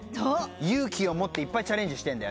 勇気を持っていっぱいチャレンジしてんだよね。